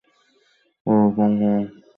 ওর open heart surgery করাতে হবে।